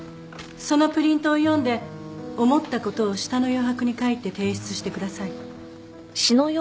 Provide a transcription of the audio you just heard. そのプリントを読んで思ったことを下の余白に書いて提出してください。